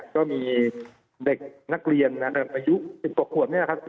ก็มีเด็กนักเรียนอายุ๑๖หัวนี่นะครับ๑๗๑๒นะครับ